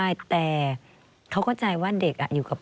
ฉันจะพร้อมที่พ่อได้อยู่กับพ่อ